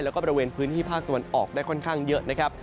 แล้วก็บริเวณพื้นที่ภาคตะวันออกได้ค่อนข้างเยอะนะครับ